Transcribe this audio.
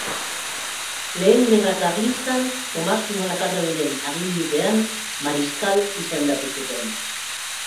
Lehen Gerra Karlistan Tomas Zumalakarregiren agindupean mariskal izendatu zuten.